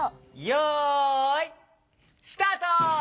よいスタート！